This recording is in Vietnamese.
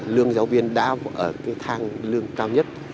lương giáo viên đã ở cái thang lương cao nhất